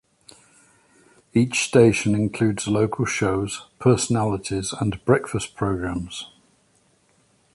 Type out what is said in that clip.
Each station includes local shows, personalities and breakfast programmes.